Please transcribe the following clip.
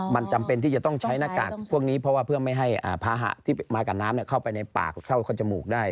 อ๋อมันจำเป็นที่จะต้องใช้นากากพวกนี้เพื่อให้พาหาที่มากับน้ำเข้าไปในปากเข้าไปครงจมูกได้